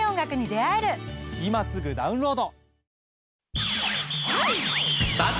今すぐダウンロード！